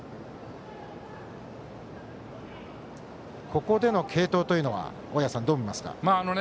ここでの継投というのは大矢さん、どう見ますか？